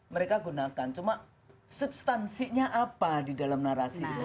mereka gunakan cuma substansinya apa di dalam narasi